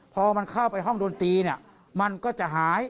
พอเข้าไปห้องดนตรีมันก็จะหาย